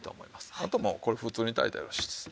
あともうこれ普通に炊いたらよろしいです。